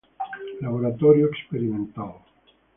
Laboratorio experimental.